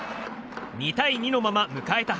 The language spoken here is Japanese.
２対２のまま迎えた